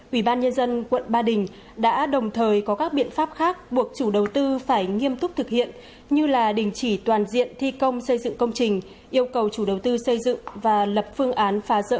ủy ban nhân dân quận ba đình đã đồng thời có các biện pháp khác buộc chủ đầu tư phải nghiêm túc thực hiện như là đình chỉ toàn diện thi công xây dựng công trình yêu cầu chủ đầu tư xây dựng và lập phương án phá rỡ